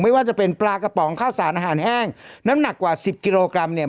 ว่าจะเป็นปลากระป๋องข้าวสารอาหารแห้งน้ำหนักกว่าสิบกิโลกรัมเนี่ย